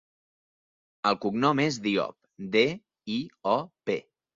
El cognom és Diop: de, i, o, pe.